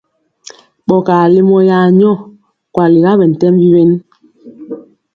Ɓɔgaa lemɔ ya nyɔ, kwaliga ɓɛntɛmbi wen.